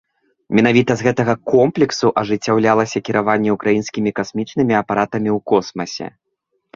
Менавіта з гэтага комплексу ажыццяўлялася кіраванне украінскімі касмічнымі апаратамі ў космасе.